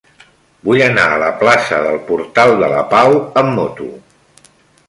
Vull anar a la plaça del Portal de la Pau amb moto.